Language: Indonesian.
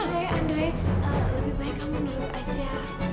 andrei andrei lebih baik kamu nurut aja